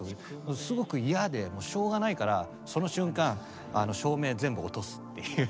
すごく嫌でもうしょうがないからその瞬間照明全部落とすっていう。